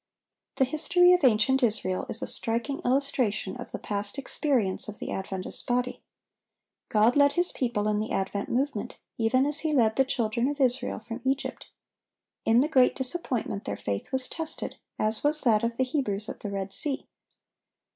The history of ancient Israel is a striking illustration of the past experience of the Adventist body. God led His people in the Advent Movement, even as He led the children of Israel from Egypt. In the great disappointment their faith was tested as was that of the Hebrews at the Red Sea.